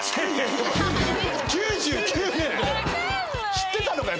知ってたのかよ？